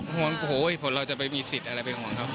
ห่วงว่าเราจะมีสิทธิ์อะไรไม่ห่วงครับ